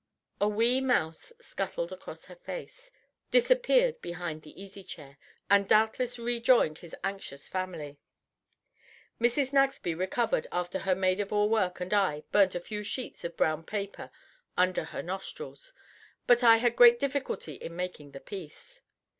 A wee mouse scuttled across her face, disappeared behind the easy chair, and doubtless rejoined his anxious family. Mrs. Nagsby recovered after her maid of all work and I had burnt a few sheets of brown paper under her nostrils; but I had great difficulty in making the peace.